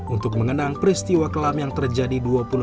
untuk mengenang peristiwa kelam yang terjadi